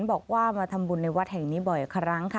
บอกว่ามาทำบุญในวัดแห่งนี้บ่อยครั้งค่ะ